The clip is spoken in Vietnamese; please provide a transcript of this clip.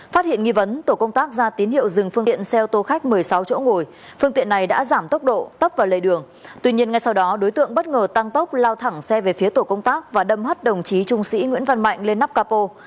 phát hiện nghi vấn tổ công tác ra tín hiệu dừng phương tiện xe ô tô khách một mươi sáu chỗ ngồi phương tiện này đã giảm tốc độ tấp vào lề đường tuy nhiên ngay sau đó đối tượng bất ngờ tăng tốc lao thẳng xe về phía tổ công tác và đâm hắt đồng chí trung sĩ nguyễn văn mạnh lên nắp capo